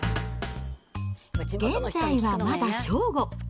現在はまだ正午。